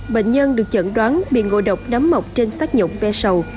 bệnh nhân được chẩn đoán bị ngộ độc nắm mọc trên sát nhọng ve sầu